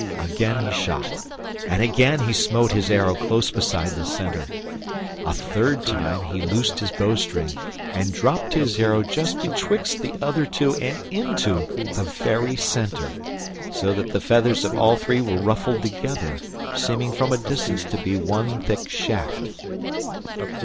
Again he shot, and again he smote his arrow close beside the center; a third time he loosed his bowstring and dropped his arrow just betwixt the other two and into the very center, so that the feathers of all three were ruffled together, seeming from a distance to be one thick shaft.